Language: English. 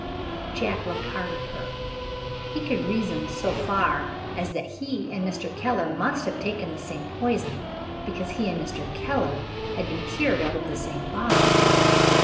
Jack looked hard at her. He could reason so far as that he and Mr. Keller must have taken the same poison, because he and Mr. Keller had been cured out of the same bottle.